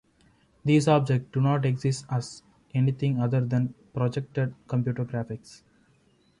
These objects do not exist as anything other than projected computer graphics.